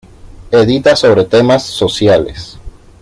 Edita sobre temas sociales.